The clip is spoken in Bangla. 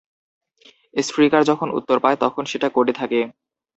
"স্ট্রিকার" যখন উত্তর পায়, তখন সেটা কোডে থাকে।